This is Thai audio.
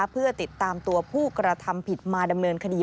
เพื่อติดตามตัวผู้กระทำผิดมาดำเนินคดี